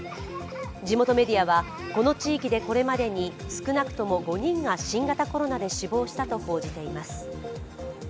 地元メディアは、この地域でこれまでに少なくとも５人が新型コロナで死亡したと報じています。